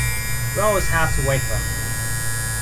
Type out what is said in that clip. We always have to wait for them.